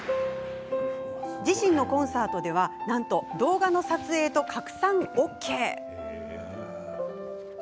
自身のコンサートでは動画の撮影と拡散がＯＫ。